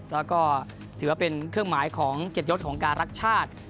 แล้วก็ถือว่าเป็นเครื่องหมายของ๗ยศของการรักชาติ